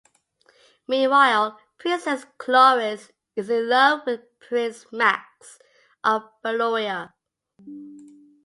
Meanwhile, Princess Chloris is in love with Prince Max of Baluria.